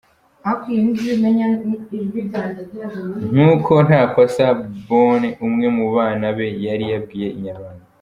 Nk'uko Ntakwasa Bonne umwe mu bana be yari yabwiye Inyarwanda.